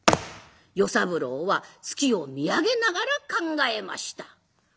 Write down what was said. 与三郎は月を見上げながら考えました。